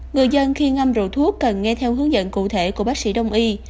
người dân khi ngâm rượu thuốc cần nghe theo hướng dẫn cụ thể của bác sĩ đông y